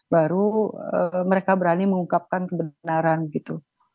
baru mereka berani mengungkapkan kebenaran gitu